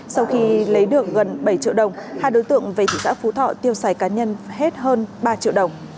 sau khi lấy được gần bảy triệu đồng hai đối tượng về thị xã phú thọ tiêu xài cá nhân hết hơn ba triệu đồng